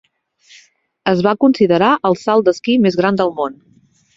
Es va considerar "el salt d'esquí més gran del món".